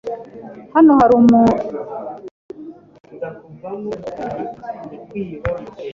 Hano hari ahantu henshi kugirango umuntu yihishe.